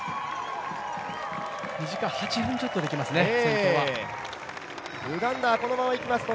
２時間８分ちょっとで先頭はいけますね。